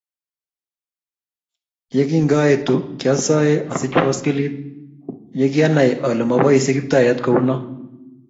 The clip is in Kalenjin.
Yekingaetu kiasae asich poskilit. Ye kianai ale maboisyei Kiptaiyat ko u no